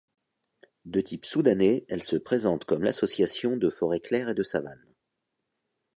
De type soudanais, elle se présente comme l’association de forets claires et de savane.